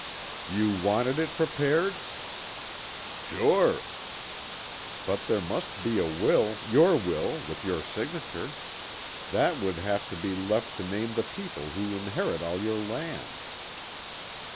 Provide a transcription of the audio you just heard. "You wanted it prepared?" "Sure." "But there must be a will, your will, with your signature. That would have to be left to name the people who inherit all your land."